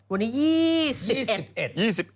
วันนี้